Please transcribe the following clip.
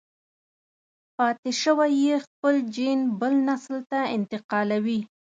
پاتې شوی يې خپل جېن بل نسل ته انتقالوي.